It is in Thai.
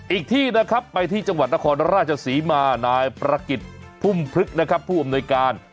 อีกที่นะครับไปที่จังหวัดนครราชศรีมานายประกิจพุ่มพลึกนะครับผู้อำนวยการ